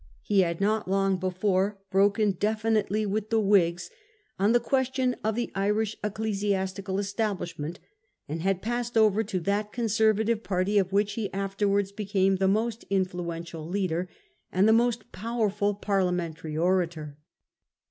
He had not long before broken definitively with the Whigs on the question of the Irish ecclesiastical establish ment, and had passed over to that Conservative party of which he afterwards became the most influential leader, and the most powerful parliamentary orator.